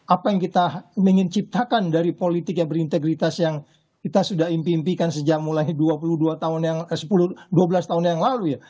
apa yang kita ingin ciptakan dari politik yang berintegritas yang kita sudah impi impikan sejak mulai dua belas tahun yang lalu ya